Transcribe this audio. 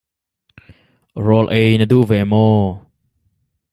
Rawl ei na duh ve maw?